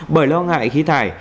bởi lo ngại khí thải